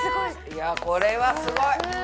いやこれはすごい！